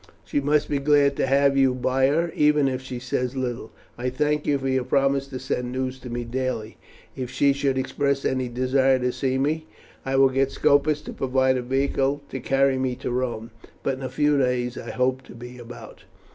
She must be glad to have you by her, even if she says little. I thank you for your promise to send news to me daily. If she should express any desire to see me, I will get Scopus to provide a vehicle to carry me to Rome; but in a few days I hope to be about."